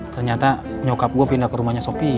ternyata nyokap gue pindah ke rumahnya sopi